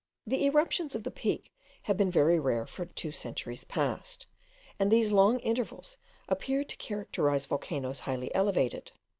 The eruptions of the Peak have been very rare for two centuries past, and these long intervals appear to characterize volcanoes highly elevated.